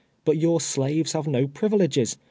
But your slaves have no privileges.